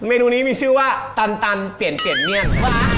นูนี้มีชื่อว่าตันเปลี่ยนเปลี่ยนเมียน